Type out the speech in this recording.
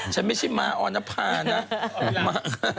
ฉันไม่ใช่ม้าออนภานะ